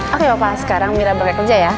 oke papa sekarang mira bergerak kerja ya